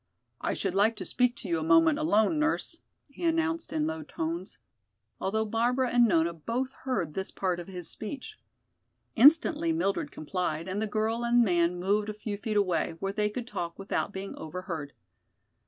"I should like to speak to you a moment alone, nurse," he announced in low tones, although Barbara and Nona both heard this part of his speech. Instantly Mildred complied, and the girl and man moved a few feet away, where they could talk without being overheard.